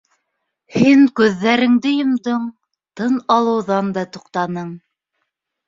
Һин күҙҙәреңде йомдоң, тын алыуҙан да туҡтаның.